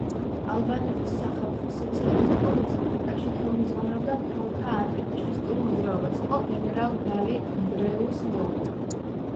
ალბანეთის სახალხო სოციალისტურ რესპუბლიკაში ხელმძღვანელობდა ქალთა ანტიფაშისტურ მოძრაობას, იყო გენერალ დალი ნდრეუს მეუღლე.